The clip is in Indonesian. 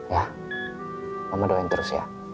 ya mama doain terus ya